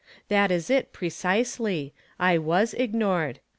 That is it, precisely ; I was ignored.